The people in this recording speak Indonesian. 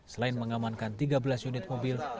selain mengamankan tiga belas unit mobil